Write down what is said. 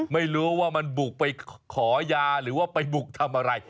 ไม่รู้ว่ามันบุกไปขอยาหรือว่าไปบุกทำอะไร